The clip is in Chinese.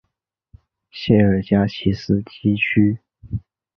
谢尔加奇斯基区。